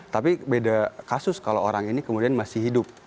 tapi beda kasus kalau orang ini kemudian masih hidup